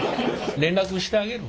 連絡してあげる？